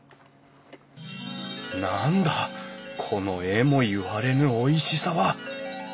何だこのえもいわれぬおいしさは！